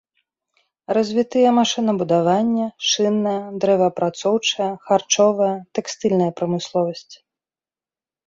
Развітыя машынабудаванне, шынная, дрэваапрацоўчая, харчовая, тэкстыльная прамысловасць.